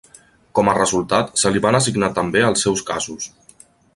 Com a resultat, se li van assignar també els seus casos.